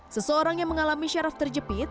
seseorang yang mengalami syaraf terjepit